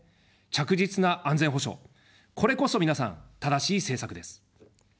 着実な安全保障、これこそ皆さん、正しい政策です。